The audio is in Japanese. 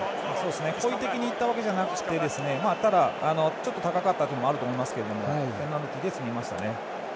故意に行ったわけではなくてただ、ちょっと高かったというのもあると思いますけどペナルティーで済みましたね。